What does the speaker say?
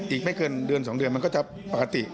อีกไม่เกินเดือน๒เดือนมันก็จะปกติ